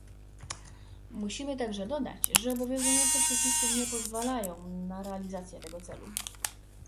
Musimy także dodać, że obowiązujące przepisy nie pozwalają na realizację tego celu